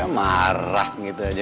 marah gitu aja